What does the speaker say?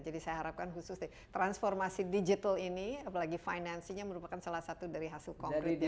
jadi saya harapkan khususnya transformasi digital ini apalagi finansinya merupakan salah satu dari hasil konkretnya